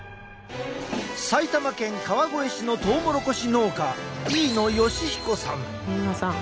埼玉県川越市のトウモロコシ農家飯野芳彦さん。